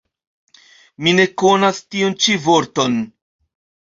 Mi ne konas tiun ĉi vorton.